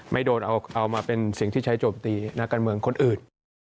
ไม่โดนเอามาเป็นสิ่งที่ใช้โจมตีนักการเมืองคนอื่น